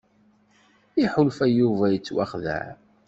Iḥulfa Yuba yettwaxdeɛ.